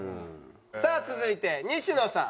さあ続いて西野さん。